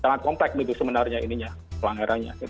sangat kompleks gitu sebenarnya ininya pelanggarannya gitu